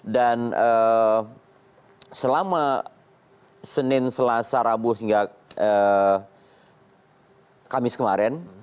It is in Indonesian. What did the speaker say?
selama senin selasa rabu hingga kamis kemarin